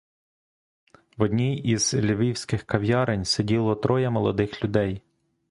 В одній із львівських кав'ярень сиділо троє молодих людей.